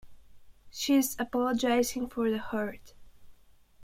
She is apologising for the hurt.